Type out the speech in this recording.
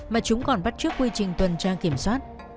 mà chúng còn bắt trước quy trình tuần tra kiểm soát